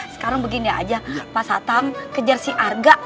sekarang begini aja pasatam kejar si arga